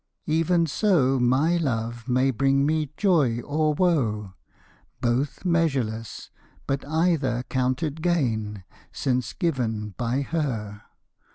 Even so my Love may bring me joy or woe, Both measureless, but either counted gain Since given by her.